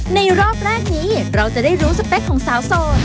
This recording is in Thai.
รอบแรกนี้เราจะได้รู้สเปคของสาวโสด